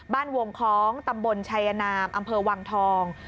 วงคล้องตำบลชัยนามอำเภอวังทอง